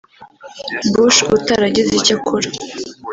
Bush utaragize icyo akora